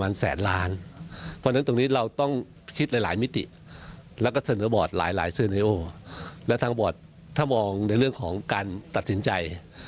และทั้งหมดถ้ามองในเรื่องของการตัดสินใจ